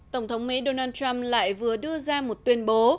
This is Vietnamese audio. tổng thống mỹ donald trump lại vừa đưa ra một tuyên bố